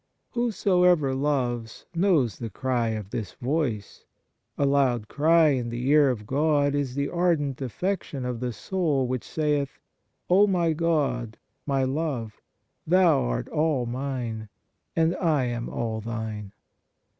Whosoever loves knows the cry of this voice ; a loud cry in the ear of God is the ardent affection of the soul which saith: O my God, my Love I Thou art all mine, and I am all Thine.